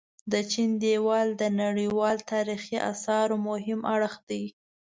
د چين ديوال د نړيوال تاريخي اثارو مهم اړخ دي.